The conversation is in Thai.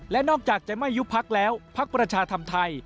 และนอกจากจะไม่ยุบพักแล้วพักประชาธรรมไทย